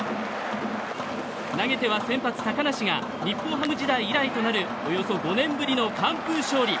投げては先発、高梨が日本ハム時代以来となるおよそ５年ぶりの完封勝利。